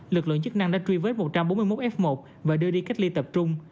lực lượng chức năng đã truy vết một trăm bốn mươi một f một và đưa đi cách ly tập trung